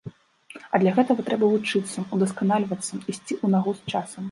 А для гэтага трэба вучыцца, удасканальвацца, ісці ў нагу з часам.